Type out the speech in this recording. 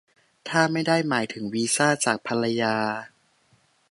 ถ้าไม่ได้หมายถึงวีซ่าจากภรรยา